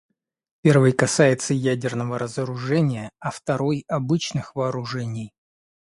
Первый касается ядерного разоружения, а второй — обычных вооружений.